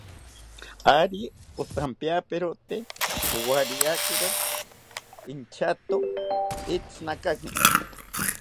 Ari otampiaperote owariakiro intyato itzinakakena